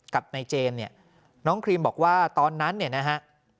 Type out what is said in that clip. กับนายเจมส์เนี่ยน้องครีมบอกว่าตอนนั้นเนี่ยนะฮะ